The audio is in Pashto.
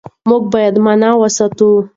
موږ بايد مانا وساتو.